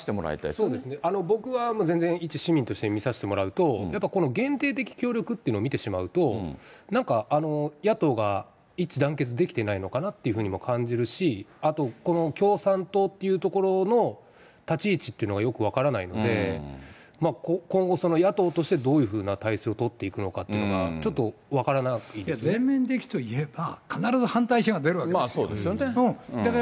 そうですね、僕は全然一市民として見させてもらうと、やっぱりこの限定的協力というのを見てしまうと、なんか野党が一致団結できていないのかなとも感じるし、あと、この共産党っていうところの立ち位置っていうのがよく分からないので、今後野党としてどういうふうな体制を取っていくのかっていうのが、全面的といえば、必ず反対者が出るわけですから。